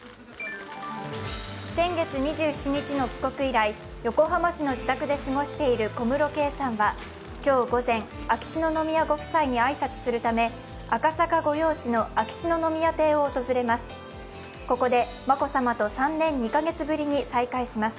先月２７日の帰国以来、横浜市の自宅で過ごしている小室圭さんは、今日午前、秋篠宮ご夫妻に挨拶するため赤坂御用地の秋篠宮邸を訪れます。